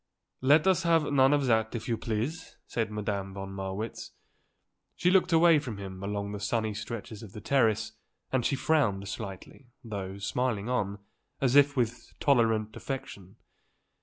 "Let us have none of that, if you please," said Madame von Marwitz. She looked away from him along the sunny stretches of the terrace and she frowned slightly, though smiling on, as if with tolerant affection.